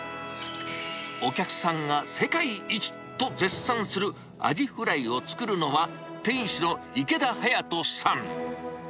お客さんが世界一と絶賛するアジフライを作るのは、店主の池田隼人さん。